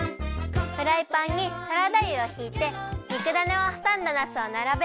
フライパンにサラダ油をひいてにくだねをはさんだなすをならべます。